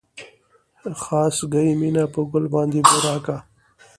خاصګي مينه په ګل باندې بورا کا